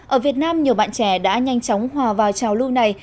ở việt nam nhiều bạn trẻ đã nhanh chóng hòa vào trào lưu này